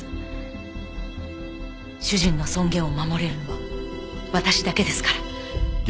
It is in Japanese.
主人の尊厳を守れるのは私だけですから。